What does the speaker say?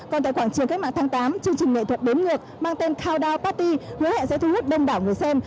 còn tại quảng trường cách mạng tháng tám chương trình nghệ thuật đếm ngược mang tên toundan paty hứa hẹn sẽ thu hút đông đảo người xem